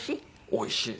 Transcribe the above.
おいしい。